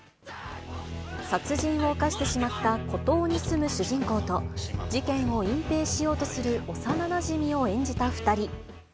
殺人を犯してしまった孤島に住む主人公と、事件を隠蔽しようとするおさななじみを演じた２人。